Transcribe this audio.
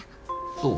そう？